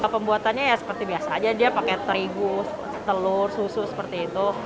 pembuatannya ya seperti biasa aja dia pakai terigu telur susu seperti itu